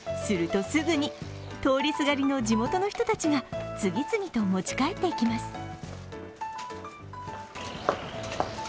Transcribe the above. すると、すぐに通りすがりの地元の人たちが次々と持ち帰っていきます。